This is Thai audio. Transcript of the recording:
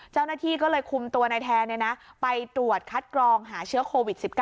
เจ้าหน้าที่ก็เลยคุมตัวนายแทนไปตรวจคัดกรองหาเชื้อโควิด๑๙